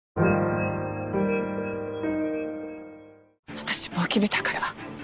私もう決めたから。